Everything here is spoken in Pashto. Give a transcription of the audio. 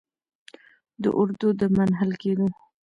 د اردو د منحل کیدو